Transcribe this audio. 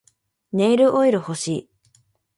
ネイルオイル欲しい